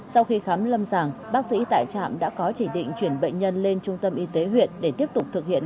sau khi khám lâm sàng bác sĩ tại trạm đã có chỉ định chuyển bệnh nhân lên trung tâm y tế huyện để tiếp tục thực hiện